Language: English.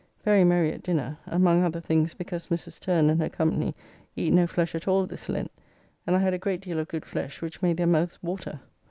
Very merry at dinner; among other things, because Mrs. Turner and her company eat no flesh at all this Lent, and I had a great deal of good flesh which made their mouths water.